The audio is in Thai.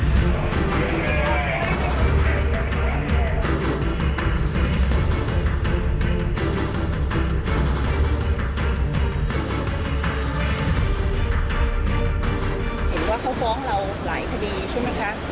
มีความรู้สึกว่าเค้าฟ้องเราหลายคดีใช่มั้ยคะ